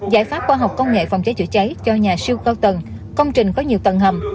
giải pháp khoa học công nghệ phòng cháy chữa cháy cho nhà siêu cao tầng công trình có nhiều tầng hầm